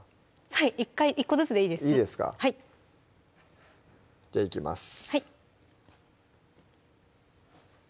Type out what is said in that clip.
はい１個ずつでいいですいいですかじゃあいきます